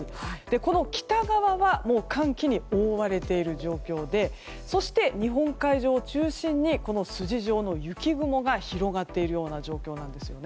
この北側は寒気に覆われている状況でそして日本海上を中心に筋状の雪雲が広がっているような状況なんです。